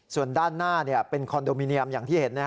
ส่วนด้านหน้าเป็นคอนโดมิเนียมอย่างที่เห็น